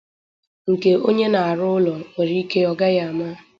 nke onye na-arụ ụlọ nwèrè ike ọ gaghị ama